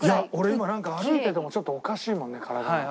今なんか歩いててもちょっとおかしいもんね体が。